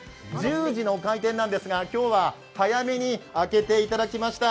１０時の開店なんですが、今日は早めに開けていただきました。